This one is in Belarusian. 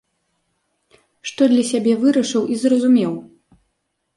Што для сябе вырашыў і зразумеў?